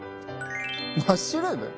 マッシュルーム？